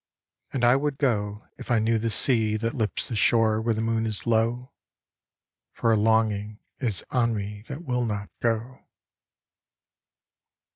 And I would go if I knew the sea That lips the shore where the moon is low, For a longing is on me that will not go.